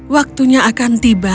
waktunya akan tiba